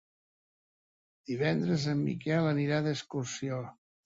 Divendres en Miquel anirà d'excursió.